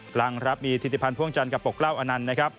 หลังรับมีธิติพันธ์พ่วงจันทร์กับปกเกล้าอนันต์นะครับ